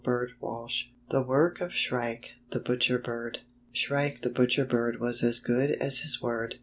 STORY IX THE WOEK OP SHKIKE THE BUTCHEE BIBB Sheike the Butcher Bird was as good as his word.